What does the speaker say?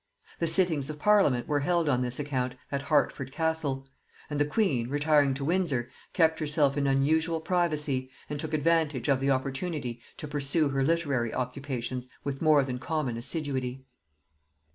The sittings of parliament were held on this account at Hertford Castle; and the queen, retiring to Windsor, kept herself in unusual privacy, and took advantage of the opportunity to pursue her literary occupations with more than common assiduity.